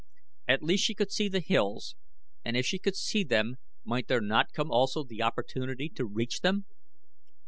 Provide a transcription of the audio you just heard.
At least she could see the hills and if she could see them might there not come also the opportunity to reach them?